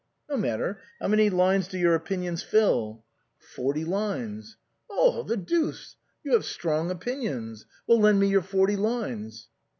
"" No matter, how many lines do your opinions fill ?"" Forty lines." " The deuce, you have strong opinions. Well, lend me your forty lines."